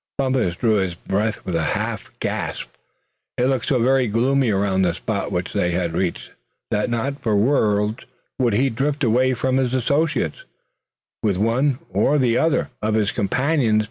Bumpus drew in his breath with a half gasp. It looked so very gloomy around the spot which they had reached that not for worlds would he drift away from his association with one or the other of his companions.